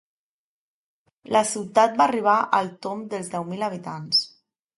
La ciutat va arribar al tomb dels deu mil habitants.